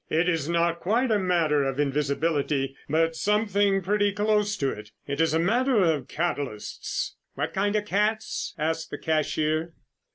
"It is not quite a matter of invisibility, but something pretty close to it. It is a matter of catalysts." "What kind of cats?" asked the cashier.